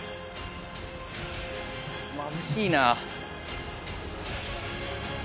まぶしいな。